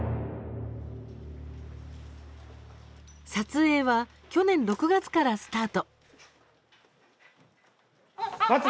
撮影は、去年６月からスタート。